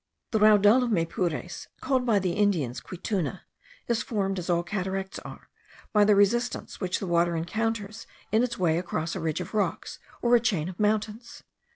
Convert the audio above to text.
The raudal of Maypures, called by the Indians Quituna, is formed, as all cataracts are, by the resistance which the river encounters in its way across a ridge of rocks, or a chain of mountains.